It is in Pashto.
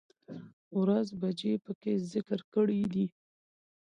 ،ورځ، بجې په کې ذکر کړى دي